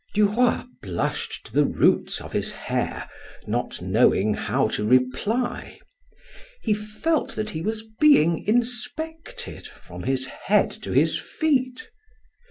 Duroy blushed to the roots of his hair, not knowing how to reply; he felt that he was being inspected from his head to his feet.